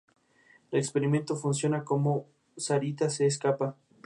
El experimento funciona, pero "Sarita" se escapa.